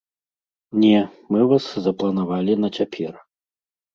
Не, мы вас запланавалі на цяпер.